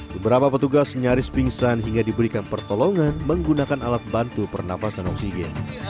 beberapa petugas nyaris pingsan hingga diberikan pertolongan menggunakan alat bantu pernafasan oksigen